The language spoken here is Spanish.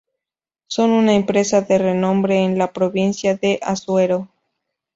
Son una empresa de renombre en la provincia de Azuero.